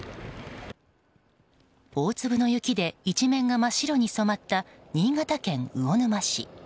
大粒の雪で一面が真っ白に染まった新潟県魚沼市。